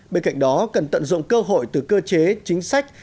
bên cạnh đó cần tận dụng cơ hội từ cơ chế chính sách